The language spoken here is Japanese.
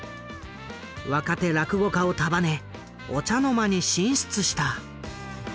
若手落語家を束ねお茶の間に進出した。